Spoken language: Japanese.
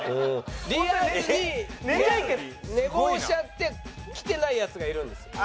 リアルに寝坊しちゃって来てないヤツがいるんですよ。